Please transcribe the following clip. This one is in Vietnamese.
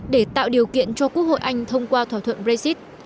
để tạo điều kiện cho quốc hội anh thông qua thỏa thuận brexit